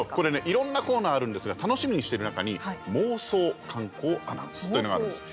いろんなコーナーあるんですが楽しみにしている中に「妄想観光アナウンス」というのがあるんです。